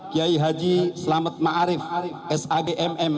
kiai haji selamat ma'arif sagmm